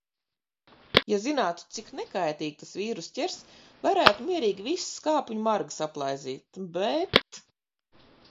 Ja zinātu, cik "nekaitīgi" tas vīruss ķers, varētu mierīgi visas kāpņu margas aplaizīt. Bet...